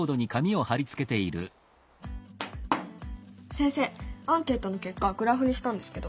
先生アンケートの結果グラフにしたんですけど。